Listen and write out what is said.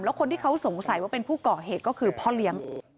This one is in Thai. แล้วคนที่เขาสงสัยว่าเป็นผู้ก่อเหตุก็คือพ่อเลี้ยง